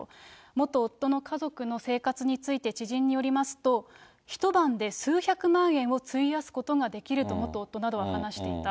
元夫の家族の生活について、知人によりますと、一晩で数百万円を費やすことができると、元夫などは話していた。